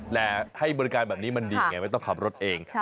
แต่ให้บริการแบบนี้มันดีไงไม่ต้องขับรถเอง